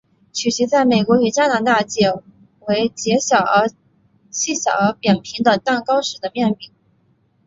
曲奇在美国与加拿大解为细小而扁平的蛋糕式的面饼。